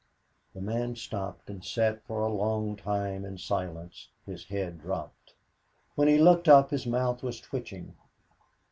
The man stopped and sat for a long time in silence, his head dropped. When he looked up his mouth was twitching.